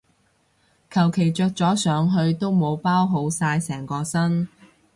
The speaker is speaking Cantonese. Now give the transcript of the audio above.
求其着咗上去都冇包好晒成個身